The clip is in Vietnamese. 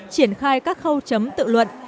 triển khai các khâu chấm tự luận